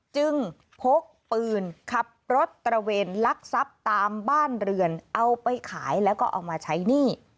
พกปืนขับรถตระเวนลักทรัพย์ตามบ้านเรือนเอาไปขายแล้วก็เอามาใช้หนี้